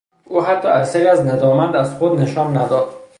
او حتی اثری از ندامت از خود نشان نداد.